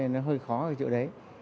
nó hơi khó ở chỗ đấy